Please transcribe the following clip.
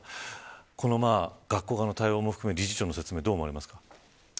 この学校側の対応も含め理事長の説明どう思われますか。